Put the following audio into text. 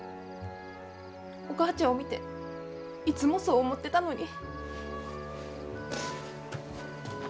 お母ちゃんを見ていつもそう思ってたのに。